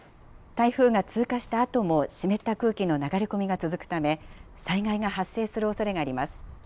台風が通過したあとも湿った空気の流れ込みが続くため、災害が発生するおそれがあります。